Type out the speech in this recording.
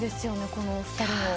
このお二人も。